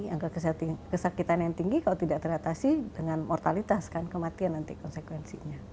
angka kesakitan yang tinggi kalau tidak teratasi dengan mortalitas kan kematian nanti konsekuensinya